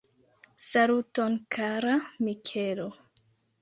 Saluton kara Mikelo!